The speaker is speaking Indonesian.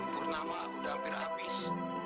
punah mau ampir habis